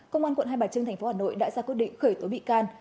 công an quận hai bạch trưng tp hà nội đã ra quyết định khởi tối bị can